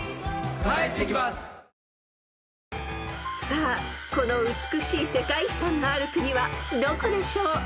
［さあこの美しい世界遺産がある国はどこでしょう］